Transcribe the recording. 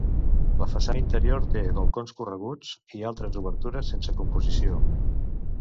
La façana interior té balcons correguts, i altres obertures sense composició.